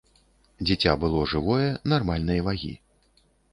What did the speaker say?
Дзіця было жывое, нармальнай вагі.